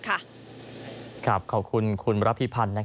ขอบคุณคุณระพิพันธ์